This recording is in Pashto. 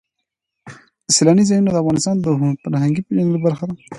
سیلانی ځایونه د افغانانو د فرهنګي پیژندنې برخه ده.